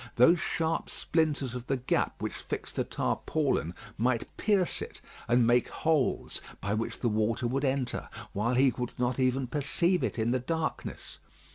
Those sharp splinters of the gap which fixed the tarpaulin might pierce it and make holes, by which the water would enter; while he would not even perceive it in the darkness.